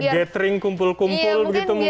gatering kumpul kumpul gitu mungkin pak